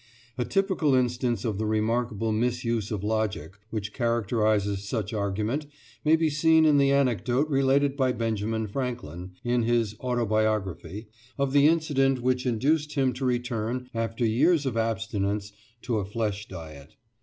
A typical instance of the remarkable misuse of logic which characterises such argument may be seen in the anecdote related by Benjamin Franklin, in his "Autobiography," of the incident which induced him to return, after years of abstinence, to a flesh diet.